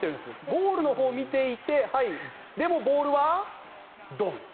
ゴールのほうを見ていてでも、ボールはドン。